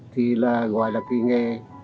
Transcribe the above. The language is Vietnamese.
thì là gọi là cái nghề